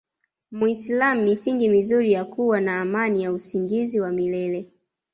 muislam misingi mizuri ya kua na amani ya usingizi wa milele